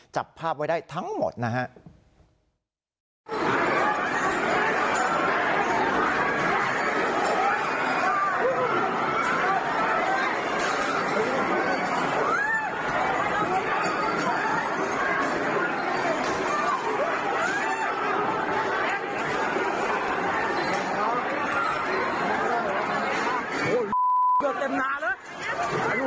จับภาพไว้ได้ทั้งหมดนะครับ